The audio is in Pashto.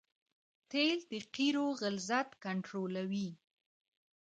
تیل د قیرو غلظت کنټرولوي